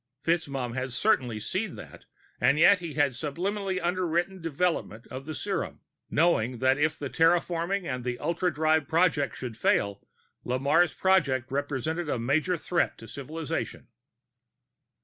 FitzMaugham had certainly seen that, and yet he had sublimely underwritten development of the serum, knowing that if terraforming and the ultradrive project should fail, Lamarre's project represented a major threat to civilization.